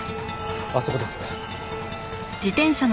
あそこです。